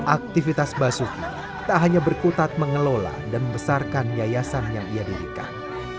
aktivitas basuki tak hanya berkutat mengelola dan membesarkan yayasan yang ia dirikan